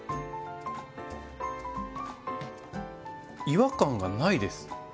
違和感がないです。